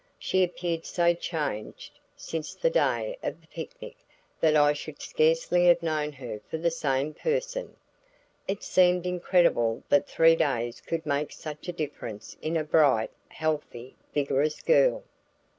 She appeared so changed since the day of the picnic that I should scarcely have known her for the same person; it seemed incredible that three days could make such a difference in a bright, healthy, vigorous girl.